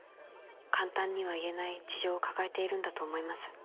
「簡単には言えない事情を抱えているんだと思います」